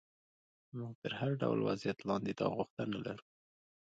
موږ تر هر ډول وضعیت لاندې دا غوښتنه لرو.